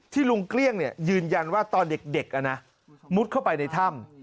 ที่ลุงเกลี้ยงเนี่ยยืนยันว่าตอนเด็กอ่ะนะมุดเข้าไปในท่ำ